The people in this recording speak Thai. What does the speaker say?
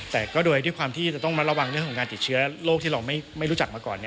แต่ก็โดยด้วยความที่จะต้องมาระวังเรื่องของการติดเชื้อโรคที่เราไม่รู้จักมาก่อน